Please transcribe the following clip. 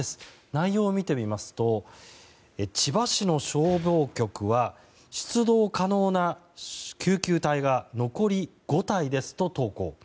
内容を見てみますと千葉市の消防局は出動可能な救急隊が残り５隊ですと投稿。